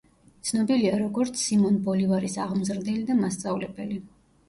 ცნობილია როგორც სიმონ ბოლივარის აღმზრდელი და მასწავლებელი.